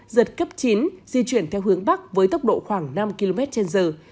giật cấp chín di chuyển theo hướng bắc với tốc độ khoảng năm km trên giờ